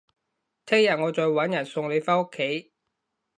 聽日我再搵人送你返屋企